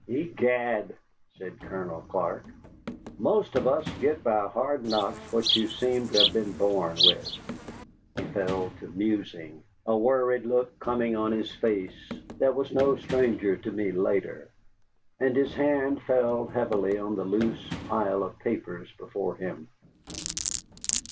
"Egad," said Colonel Clark, "most of us get by hard knocks what you seem to have been born with." He fell to musing, a worried look coming on his face that was no stranger to me later, and his hand fell heavily on the loose pile of paper before him.